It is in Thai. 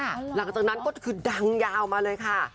หลังจากนั้นก็คือดังยาวมาเลยค่ะ